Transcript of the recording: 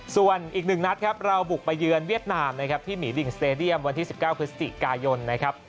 ส่วนอีก๑นัดครับเราบุกไปเยือนเวียดนามนะครับที่หมีลิงสเตดียมวันที่๑๙พฤศจิกายนนะครับ